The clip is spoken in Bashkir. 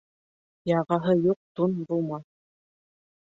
Яғаһы юҡ тун булмаҫ